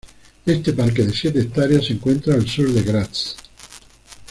Este parque de siete hectáreas se encuentra al sur de Graz.